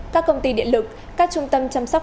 các công ty điện lực các trung tâm chăm sóc